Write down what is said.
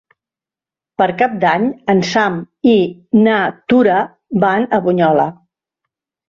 Per Cap d'Any en Sam i na Tura van a Bunyola.